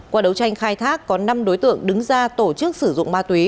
qua đấu tranh khai thác có năm đối tượng đứng ra tổ chức sử dụng ma túy